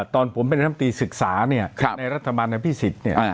ตอนผมเป็นน้ำตีศึกษาเนี่ยในรัฐบาลอภิษฎเนี่ย